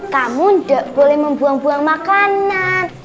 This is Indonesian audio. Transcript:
kamu tidak boleh membuang buang makanan